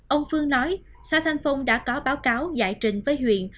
ông phương nói xã thanh phong đã có báo cáo giải trình với huyện